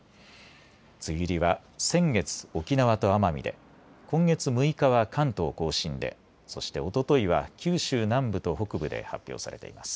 梅雨入りは先月、沖縄と奄美で、今月６日は関東甲信で、そしておとといは九州南部と北部で発表されています。